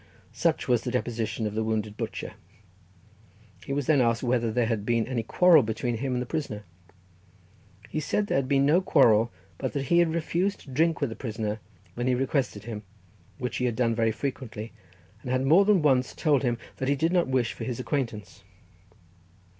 Such was the deposition of the wounded butcher. He was then asked whether there had been any quarrel between him and the prisoner? He said there had been no quarrel, but that he had refused to drink with the prisoner when he requested him, which he had done very frequently, and had more than once told him that he did not wish for his acquaintance.